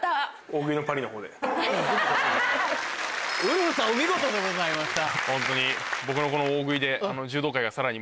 ウルフさんお見事でございました。